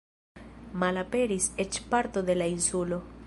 Malaperis eĉ parto de la insulo.